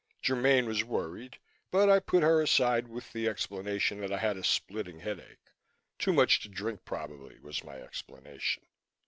Germaine was worried but I put her aside with the explanation that I had a splitting headache too much to drink, probably, was my explanation.